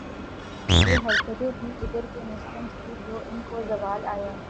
یہ حرکتیں تھیں ادھر کے مسلمز کی جو ان کو زوال آیا